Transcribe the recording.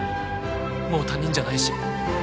もう他人じゃないし